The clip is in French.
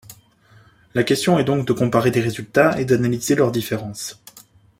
La question est donc de comparer des résultats et d'analyser leurs différences.